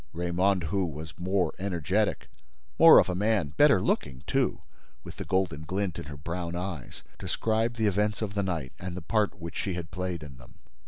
Raymonde, who was more energetic, more of a man, better looking, too, with the golden glint in her brown eyes, described the events of the night and the part which she had played in them.